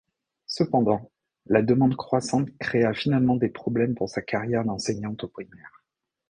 Cependant, la demande croissante créa finalement des problèmes pour sa carrière d'enseignante au primaire.